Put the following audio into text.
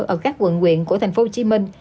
ở các quận quyện của tp hcm